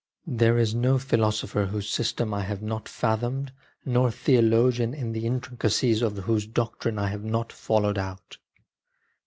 There is no philosopher whose system I have not fathomed, nor theologian the in tricacies of whose doctrine I have not followed out.